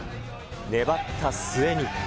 粘った末に。